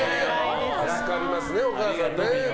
助かりますね、お母さん。